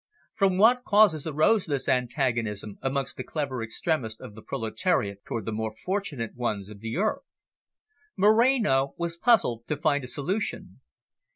From what causes arose this antagonism amongst the clever extremists of the proletariat toward the more fortunate ones of the earth? Moreno was puzzled to find a solution.